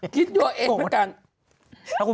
คิดตัวเองเหมือนกัน